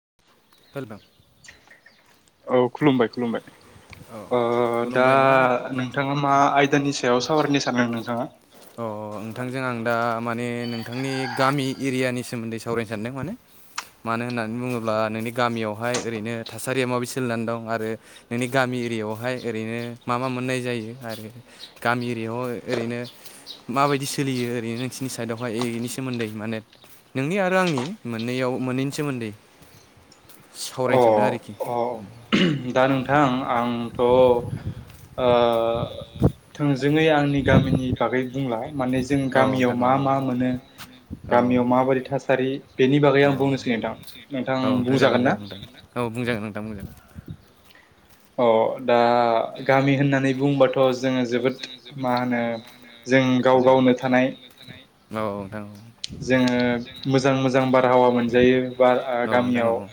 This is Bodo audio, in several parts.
[unintelligible] औ खुलुमबाय खुलुमबाय । औ ओ दा खुलुमबाय नोंथां नोंथाङा मा आयदानि सायाव सावरायनो सानदों नोंथाङा? अ नोंथांजों आं दा माने नोंथांनि गामि एरियानि सोमोन्दै सावरायनो सानदों माने । मानो होननानै बुङोब्ला नोंनि गामियावहाय ओरैनो थासारिया माबि सोलिनानै दं । आरो नोंनि गामि एरियआवहाय ओरैनो मा मा मोननाय जायो आरो गामि एरियायाव ओरैनो माबायदि सोलियो ओरैनो नोंसोरनि साइदआवहाय बेनि सोमोन्दै माने नोंनि आरो आंनि मोननैयाव मोननैनि सोमोन्दै अ सावरायनो सानदों आरोखि । अ दा नोंथां आंथ' औ थोंजोङै आंनि गामिनि बागै बुंला । माने जों गामियाव मा मा मोनो मा मोनो गामियाव माबायदि थासारि बेनि बागै औ आं बुंनोसै नोंथां नोंथां औ जागोन बुंजागोन ना? जागोन नोंथां औ बुंजागोन नोंथां। [unintelligible] अ दा गामि होननानै बुंबाथ' होनबाथ' जोङो जोबोद मा होनो गाव जों गावनो गाव थानाय गावनो थानाय औ औ जोङो जोङो मोजां मोजां बारहावा मोजां मोनजायो बारहावा बार मोनजायो औ नोंथां गामियाव औ ओ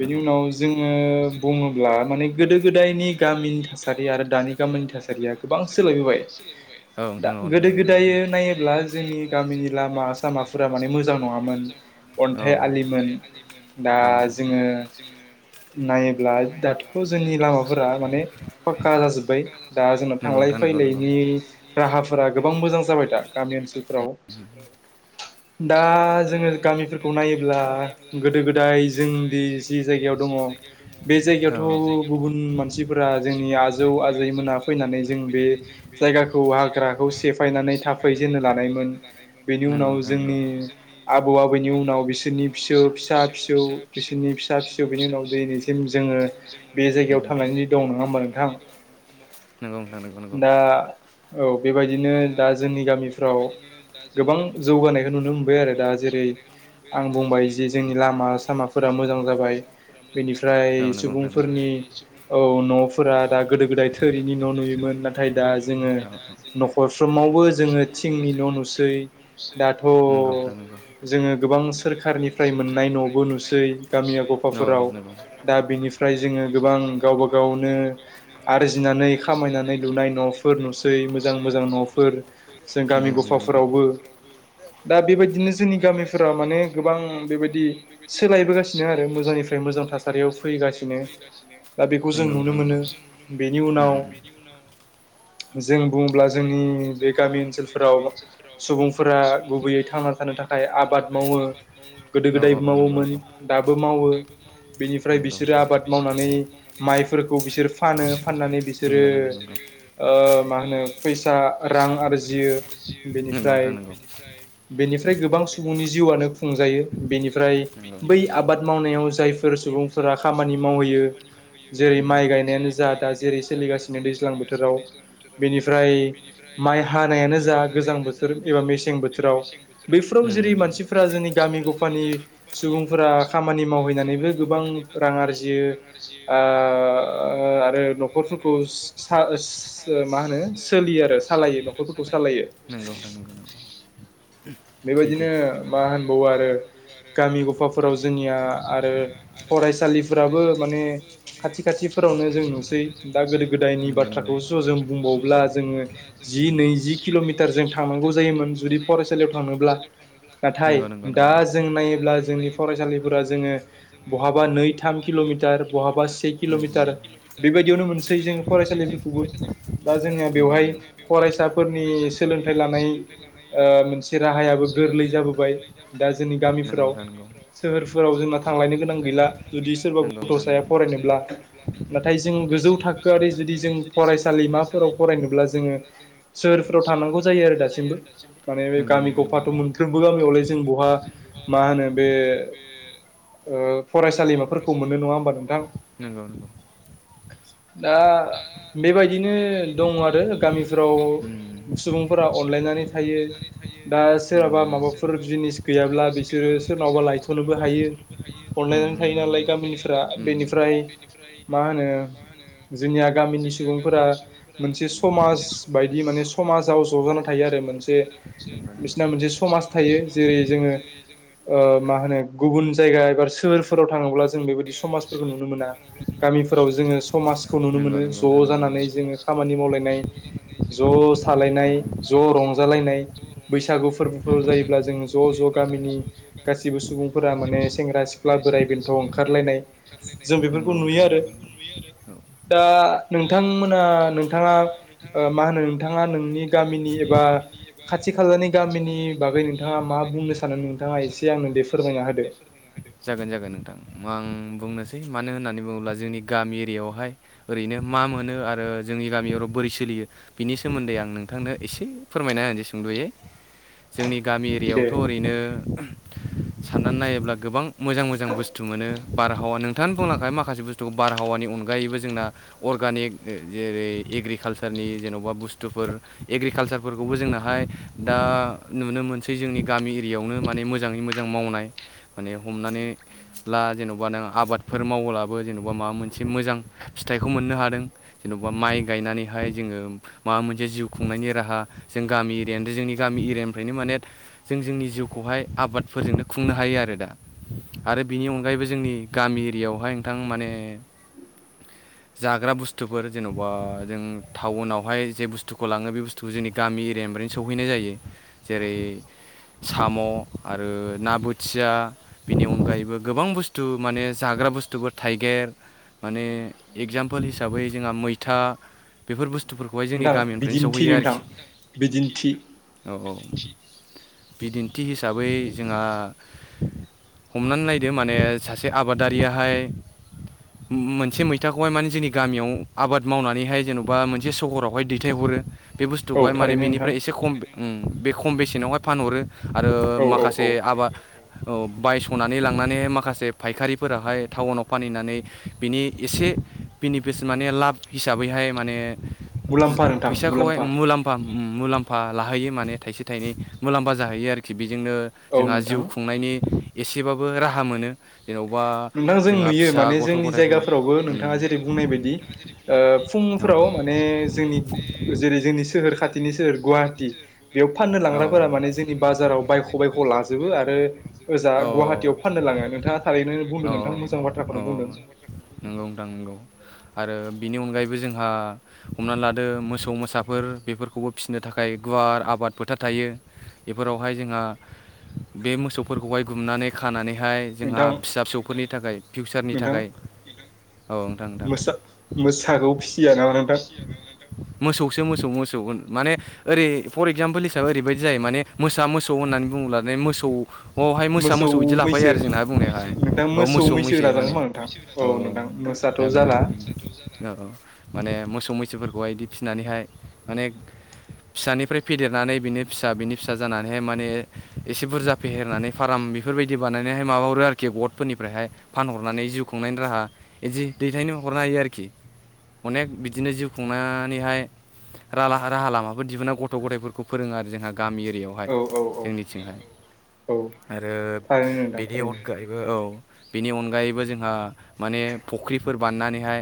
बेनि उनाव जोङो बेनि उनाव जोङो बुङोब्ला माने बुङोब्ला गोदो माने गोदायनि गोदो गामिनि गोदायनि थासारि गामिनि आरो दानि थासारि आरो गामिनि दानि थासारिया गोबां सोलायबोबाय औ दा नोंथां गोदो गोदाय औ नायोब्ला जोंनि गामिनि नंगौ लामा सामाफोरा माने नंगौ मोजां नङामोन अ अन्थाइ आलिमोन अ दा जोङो नायोब्ला दाथ' जोंनि लामाफोरा माने फाक्का जाजोब्बाय दा जोंनाव नंगौ थांलाय नोंथां नंगौ नंगौ फैलायनि राहाफोरा गोबां मोजां जाबाय दा गामि ओनसोलफोराव [unintelligible] दा जोङो गामिफोरखौ नायोब्ला गोदो गोदाय जोंदि जि जायगायाव दङ बे औ जायगायावथ' गुबुन मानसिफोरा जोंनि आजौ आजैमोना फैनानै नै जों बे जायगाखौ हाग्राखौ सेफायनानै थाफै जेननो लानायमोन बेनि नंगौ उनाव नोंथां नंगौ नंगौ जोंनि आबौ आबैनि उनाव बिसोरनि फिसौ फिसा फिसौ बिसोरनि फिसा फिसौ बिनि उनाव दिनैसिम जोङो बे जायगायाव थांनानै दं नङा होमबा नोंथां [unintelligible] नंगौ नंगौ दा औ बेबायदिनो दा जोंनि गामिफ्राव गोबां जौगानायखौ नुनो मोनबाय आरो दा जेरै आं बुंबाय जे जोंनि लामा सामा फोरा मोजां जाबाय औ बेनिफ्राय नंगौ नोंथां नंगौ सुबुंफोरनि औ न'फोरा दा गोदो गोदाय थोरिनि न' नुयोमोन नाथाय दा जोङो न'खरफ्रावबो जोङो थिंनि न' नुसै दाथ' नंगौ नोंथां नंगौ जोङो गोबां सोरखारनिफ्राय मोननाय न'बो नुसै सै गामिया औ गफाफोराव नंगौ नंगौ दा बेनिफ्राय जोङो गोबां गावब गावनो आरजिनानै नै खामायनानै लुनाय न'फोर नुसै मोजां मोजां न'फोर जों गामि नोंथां गफाफोरावबो दा बेबायदिनो जोंनि गामिफोरा माने गोबां बेबायदि सोलायबोगासिनो आरो मोजांनिफ्राय मोजां थासारियाव फैगासिनो दा बेखौ जों नुनो मोनो बेनि हु उनाव हु जों बुङोब्ला जोंनि बे गामि ओनसोलफोराव सुबुंफोरा गुबैयै थांना थानो थाखाय आबाद मावो गोदो औ गोदायबो औ नंगौ मावोमोन नंगौ दाबो मावो नंगौ बेनिफ्राय बिसोरो आबाद मावनानै माइफोरखौ बिसोर फानो फानो नानै बिसोरो नंगौ नंगौ नंगौ ओ मा होनो फैसा रां आरजियो बेनिफ्राय [unintelligible] बेनिफ्राय गोबां सुबुंनि जिउआनो खुंजायो बेनिफ्राय नंगौ बै नोंथां नंगौ आबाद मावनायाव जायफोर सुबुंफोरा खामानि मावहैयो जेरै उम माइ गायनायानो जा दा जेरै सोलिगासिनो दैज्लां बोथोराव बेनिफ्राय माइ हानायानो जा गोजां बोथ थोर एबा मेसें बोथोराव बैफोराव उम उम जेरै मानसिफोरा जोंनि गामि गफानि सुबुंफोरा खामानि मावहैनानैबो गोबां रां आरजियो आरो न'खरफोरखौ सा मा होनो सोलियो आरो सालायो न'खरफोरखौ सालायो नोंगौ नोंथा नोंगौ नोंगौ बेबायदिनो मा होनबावो आरो? गामि गफाफोराव जोंनिया आरो फरायसालिफोराबो माने खाथि खाथिफोरावनो जों जों नुसै दा गोदायनि बाथ्राखौस जों बुंबावब्ला नंगौ जोङो नै नंगौ किल'मिटार थरजों थांनांगौ जायोमोन जुदि फरायसालिआव थां फरायसालियाव थाङोब्ला नंगौ नंगौ न जों दा नायोब्ला जों जोंनि नायोब्ला जोंनि फरायसालिफोरा जोङो फरायसालिफोरा जोङो बहाबा नै थाम किल'मिटार बहाबा से उम किल'मिटार उम बेबायदियावनो मोनसै जोङो फरायसालिफोरखौबो दा जोंनिया नंगौ बेवहाय फरायसाफोरनि सोलोंथाइ लानाय ओ मोनसे से राहायाबो गोरलै जाबोबाय दा जोंनि गामिफोराव नोंथां सोलोंथाइ सोहोरफोराव जोंना थांलायनो गोनां गैला जुदि सोरबा नंगौ गथ' साया नोंथां, फरायनोब्ला नंगौ। नाथाय जों गोजौ थाखोआरि जुदि जों फरायसालिमाफोराव फरायनोब्ला जोङो सोहोफ्राव थांनांगौ जायो आरो दासिमबो माने नंगौ गामि गफाथ' मोनफ्रोमबो गामियावलाय जों बहा मा होनो बे ओ फरायसालिमाफोरखौ मोन्नो नङा होमबा नोंथां। [unintelligible] दा बेबायदिनो दं आरो उम, गामिफ्राव सुबुंफोरा अनलायनानै थायो। दा सोरहाबा माबाफोर जिनिस गैयाब्ला बिसोरो सोरनावबा लायथ'नोबो हायो। [unintelligible] उम, नंगौ थायो नंगौ नालाय गामिनिफ्रा उम, बेनिफ्राय मा होनो जोंनिया गामिनि सुबुंफोरा मोनसे समाज बायदि माने समाजाव ज'जाना थायो आरो। जजनानै थायो मोनसे आरो [unintelligible] बिसिना मोनसे समाज थायो जेरै जोङो ओ मा होनो गुबुन जायगा एबार सोहोरफोराव थाङोब्ला जों बेबायदि समाजफोरखौ नुनो मोना। गामिफोराव जोङो समाजखौ नुनो नंगौ मोनो। ज' नोंथां नंगौ जानानै नंगौ जोङो खामानि मावलायनाय ज' जालायनाय मावलायनाय ज' रंजालायनाय बैसागु फोरबोफोर जायोब्ला जों ज' ज' गामिनि गासिबो सुबुंफोरा माने सेंग्रा माने सिख्ला बोराइ सेंग्रा बेन्थ' सिख्ला बोराय बेन्थ ओंखारलायनाय ओंखारलायनाय जों बेफोरखौ नंगौ नोंथां आरो नुयो आरो। दा नोंथांमोना नोंथाङा मा होनो नोंथाङा नोंनि गामिनि एबा खाथि खालानि गामिनि बागै नोंथाङा मा बुंनो सानो नोंथाङा एसे आंनो दे फोरमायना होदो। [unintelligible] गोन जागोन नोंथां। आं बुंनोसै मानो होननानै बुङोब्ला जोंनि गामि एरियायावहाय ओरैनो मा मोन मोनो आरो जोंनि गामियाव र' बोरै सोलियो बिनि सोमोन्दै आं नोंथांनो एसे फोरमायना होनसै सुंद'यै। जोंनि गामि दे एरियायावथ' ओरैनो साननानै नायोब्ला गोबां मोजां मोजां बुस्थु मोनो बारहावा नोंथाङानो बुंलखाय माखासे बुस्थुखौ बारहावानि अनगायैबो जोंना अर [unintelligible] जेरै एग्रिकालसारनि जेन'बा बुस्थुफोर एग्रिकालसारफोरखौबो जोंनाहाय दा नुनो मोनसै जोंनि गामि एरियायावनो माने मोजाङै मोजां मावनाय, माने हमनानै ला जेन'बा नों आबादफोर मावलाबो जेन'बा माबा मोनसे मोजां फिथाइखौ मोन नो हादों, जेन'बा माइ गायनानैहाय जोङो माबा मोनसे जिउ खुंनायनि राहा जों गामि एरियानोथ जोंनि गामि एरियानिफ्रायनो माने जों जोंनि जिउखौहाय आबादफोरजोंनो खुंनो हायो आरो दा। आरो बिनि अनगायैबो जोंनि गामि एरियायावहाय नोंथां माने जाग्रा बुस्थुफोर जेन'बा जों टाउनावहाय जे बुस्थुखौ लाङो बे बुस्थुखौ जोंनि गामि एरिया निफ्रायनो सौहैनाय जायो, जेरै साम' आरो ना बोथिया बिनि अनगायैबो गोबां बुस्थु माने जाग्रा बुस्थुबो थाइगेर माने एगजामपोल हिसाबै जोंहा मैथा, बेफोर बुस्थु स्थुफोरखौहाय जोंनि नोंथां गामिनिफ्रायनो बिदिन्थि सहैयो नोंथां आरोखि बिदिन्थि औ औ। बिदिन्थि हिसाबै जोंहा हमनानै नायदो माने सासे आबादारियाहाय मोनसे मैथाखौहाय माने जोंनि गामियाव आबाद मावनानैहाय जेन'बा मोनसे सहरावहाय दैथायहरो। बे औ बुस्थुखौहाय माने थारैनो नोंथां बेनिफ्राय एसे खम बे खम बेसेनावहाय फानहरो। आरो औ औ माखासे औ आबाद औ बायस'नानै लांनानैहाय माखासे फायखारिफोराहाय टाउनाव फानहैनानै बिनि एसे बेनिफिस माने लाब हिसाबैहाय माने मुलाम्फा नोंथां फैसाखौहाय मुलाम्फा मुलाम्फा लाहैयो माने थाइसे थाइनै मुलाम्फा जाहैयो आरोखि। बेजोंनो औ जोंहा नोंथां जिउ खुंनायनि एसेबाबो राहा मोनो। जेन'बा नोंथां जों जोंहा नुयो फिसा माने गथ' जोंनि गथायफोरखौ जायगाफोरावबो उम नोंथाङा जेरै बुंनाय बायदि, फुं औ फोराव माने जोंनि जेरै जोंनि सोहोर खाथि गुवाहाटि बेयाव फाननो लांग्राफोरा औ माने जोंनि बाजाराव बायख' बायख' लाजोबो आरो औ गुवाटियाव फाननो लाङो, नोंथाङा थारैनो बुं औ औ औ औ नंगौ नोंथां नंगौ। आरो बिनि अनगायैबो जोंहा हमना लादो मोसौ मोसाफोर बेफोरखौबो फिसि सिनो थाखाय गुवार आबाद फोथार थायो। बेफोरावहाय जोंहा बे मोसौफोरखौहाय गुमनानै खानानै हाय जोंहा नोंथां फिसा फिसौफोरनि थाखाय फिउचारनि नोंथां थाखाय औ नोंथां, मोसा मोसाखौ फिसिया नामा नोंथां मोसौसो मोसौ मोसौ होन माने ओरै फर एगजामपोल हिसाबै ओरैबायदि जायो माने मोसा मोसौ होननानै बुङोब्लान मोसौ अहाय मोसा मोसौ बिदि लाफायो आरो जोंनाहा बुंनायावहाय नोंथां अ मोसौ मैसो लाजागोन माने खोमा नोंथां औ अ' नोंथां मोसाथ' जागोन जाला जोन औ औ माने मोसौ मैसोफोरखौ बिदि फिसिनानैहाय माने [inaudible] फिसानिफ्राय फेदेरनानै बिनि फिसा बिनि फिसा जानानैहाय माने एसे बुरजा फेहेरनानै फार्म बेफोर फोरबायदि बानायनानैहाय माबा हरो आरोखि गथफोरनिफ्रायहाय फानहरनानै जिउ खुंनायनि राहा बिदि दैथायनो नो हायो आरोखि अनेग बिदिनो जिउ खुंनानै हाय रा राहा लामफोरो दिहुनना गथ' गथायफोरखौ फोरोङो आरो जोंहा गामि एरियायावहाय औ औ औ जोंनिथिंहाय औ आरो थारैनो नोंथां बेनि थारैनो अनगायैबो औ बेनि अनगायैबो जोंहा माने फुख्रिफोर बान्नानैहाय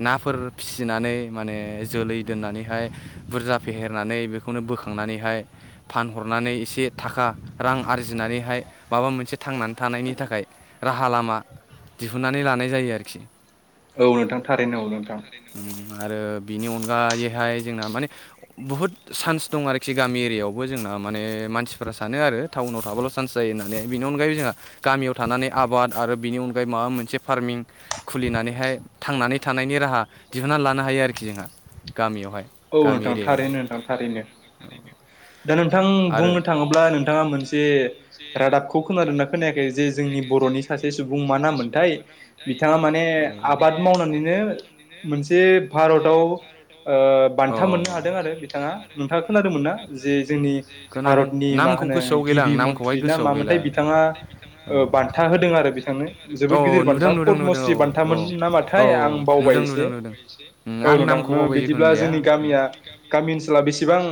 नाफोर फिसिनानै माने जोलै दोननानैहाय बुरजा फेहेरनानै बेखौनो बोखांनानैहाय फानहरनानै एसे थाखा रां आरजिनानैहाय माबा मोनसे थांनानै थानायनि थाखाय राहा लामा दिहुनन्नानै लानाय जायो आरोखि औ नोंथां थारैनोांगौ नोंथां उम आरो बिनि अनगायैहाय जोंना माने बुहुत सान्स दं आरोखि गामि एरियायावबो जोंना माने मानसिफोरा सानो आरो टाउनाव थाबाल' चान्स जायो होननानै बेनि अनगायै जोंहा गामियाव थानानै आबाद आरो बिनि अनगायै माबा मोनसे फार्मिंग खुलिनानैहाय थांनानै थानायनि राहा दिहुनन्नानै लानो हायो आरोखि जोंहा गामियावहाय औ गामि नोंथां एरियायाव थारैनो नोंथां थारैनो दा नोंथां आरो बुंनो थाङोब्ला नोंथाङा मोनसे रादाबखौ खोनादों ना? खोनायाखै जे जोंनि बर'नि सासे सुबुं मा नामोनथाय बिथाङा माने आबाद मावनानैनो मोनसे भा रद' ओ बानाय अ बानथा मोननो हादों आरो बिथाङा नोंथाङा खोनादोंमोना जे जोंनि खोनादों भारनि मा नामखौ होनो गोसोआव गैला आं गिबि नामखौहाय मन्त्रि ना गोसोआव गैला मामोनथाय बिथाङा बान्था अ होदों आरो बिथांनो जोबोद गिदिर औ नुदों बान्था नुदों पद नुदों मुस्रि बान्थामोन औ औ नामाथाय आं बावबाय नुदों एसे नुदों नुदों उम आं औ नामखौ दानो बावबाय जिखुनु बिदिब्ला जाया जोंनि गामिया गामि ओनसोलााव बेसेबां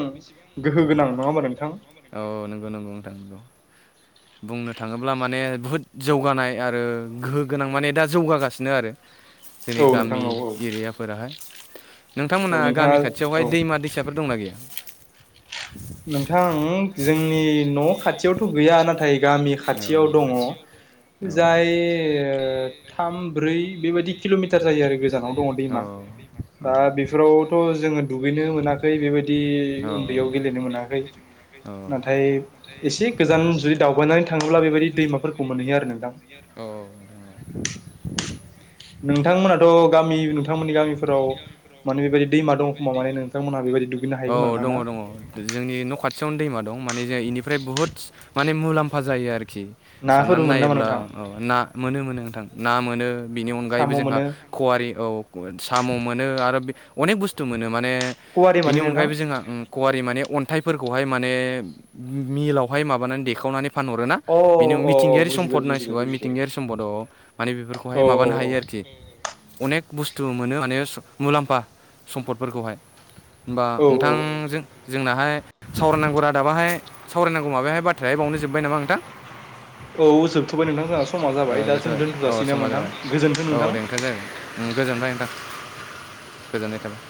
गोहो गोनां नङा होमा नोंथां औ नंगौ नंगौ नोंथां नंगौ बुंनो थाङोब्ला माने बुहुद जौगानाय आरो गोहो गोनां माने दा जौगागासिनो आरो औ जोंनि नोंथां गामि औ औ एरियाफोराहाय औ नोंथांमोनहा नोंथाङा गामि औ खाथियावहाय दैमा दैसाफोर दंना गैया? नोंथां जोंनि न' खाथियावथ' गैया नाथ नाथाय गामि खाथियाव दङ जाय थाम ब्रै बेबायदि किल'मिटार जायो आरो गोजानाव दङ औ दैमा औ दा बेफोरावथ' जोङो दुगैनो मोनाखै बेबायदि उन्दैयाव गेलेनो मोनाखै औ नाथाय एसे गोजान जुदि दावबायनानै थाङोब्ला बेबायदि दैमाफोरखौ मोनहैयो आरो नोंथां अ नोंथां नंगौ नोंथांमोनाथ' गामि नोंथांमोननि गामिफोराव फ्राव माने बेबायदि दैमा माने दं खोमा बे नोंथांमोनहा बेबायदि दुगैनो [unintelligible] हायो खोमा औ नोंथां दङ ना दङ जोंनि न' खाथियावनो दैमा दं दं माने ज इनिफ्राय बुहुत माने मुलाम्फा जायो आरो आरोखि नाफोरबो साननानै मोनो नामा नायोब्ला नोंथां अ ना मोनो मोनो नोंथां ना मोनो बेनि साम' अनगायैबो जोंहा मोनो खवारि औ साम' मोनो आरो अनेक बुस्थु मोनोम माने खवारि बिनि माने नोंथां अनगायैबो अ जोंहा कवारि माने अन्थाइफोरखौ खौहाय माने मिलआवहाय माबानानै देखायनानै फानहरोना बिनि अ अ मिथिंगायारि बुजिबाय सम्पद बुजिबाय होनांसिगौाय बुजिबाय मिथिंगायारि सम्पदाव अ माने बेफोरखौहाय औ औ माबानो हायो आरोखि [unintelligible] अनेक बुस्थु मोनो माने स मुलाम्फा सम्पदफोरखौहाय हमबा औ नोंथांजों जोंनाहाय सावरायनांगौ रादाबाहाय सावरायनांगौ माबायाहाय बाथ्रायाय बावनो जोब्बाय नामा नोंथां? औ जोबथ'बाय नोंथां जोंहा समा औ जाबाय दा जों जथ'बाय दोनथ' औ जासिगोन नामा समा नोंथां जाबाय गोजोन्थों औ नोंथां देंख जागोन गोजोनबाय नोंथां गोजोननाय थाबाय